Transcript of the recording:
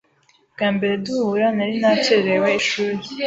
Bwambere duhura nari nakerewe ishuri.